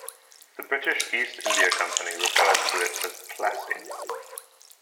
The British East India Company referred to it as "Plassey".